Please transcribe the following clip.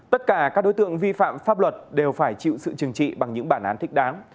tất cả các đối tượng vi phạm pháp luật đều phải chịu sự trừng trị bằng những bản án thích đáng